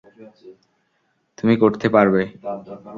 তুমি করতে পারবে।